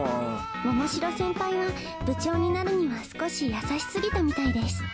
「桃城先輩は部長になるには少し優しすぎたみたいです」。